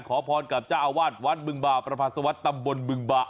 ขอพรกับเจ้าอาวาสวัสดิ์บึงบ่าประภาษาวัดตำบลบึงบ่า